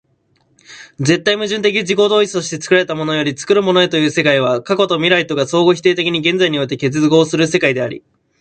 絶対矛盾的自己同一として作られたものより作るものへという世界は、過去と未来とが相互否定的に現在において結合する世界であり、